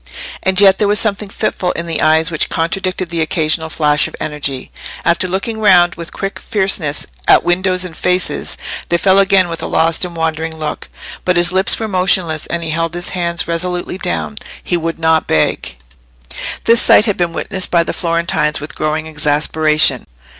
And yet there was something fitful in the eyes which contradicted the occasional flash of energy: after looking round with quick fierceness at windows and faces, they fell again with a lost and wandering look. But his lips were motionless, and he held his hands resolutely down. He would not beg. This sight had been witnessed by the Florentines with growing exasperation.